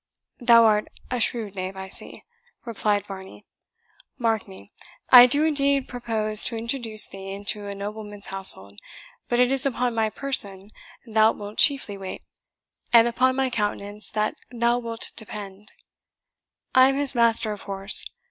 "Thou art a shrewd knave, I see," replied Varney. "Mark me I do indeed propose to introduce thee into a nobleman's household; but it is upon my person thou wilt chiefly wait, and upon my countenance that thou wilt depend. I am his master of horse.